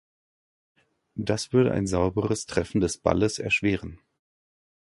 Das würde ein sauberes Treffen des Balles erschweren.